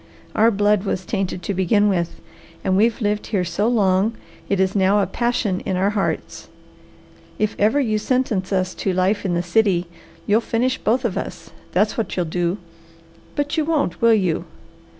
Our blood was tainted to begin with, and we've lived here so long it is now a passion in our hearts. If ever you sentence us to life in the city, you'll finish both of us, that's what you'll do! But you won't, will you?